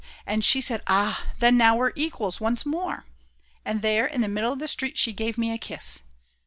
_" And she said: "Ah, then now we're equals once more," and there in the middle of the street she gave me a kiss.